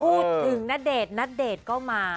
พูดถึงณเดชนณเดชน์ก็มา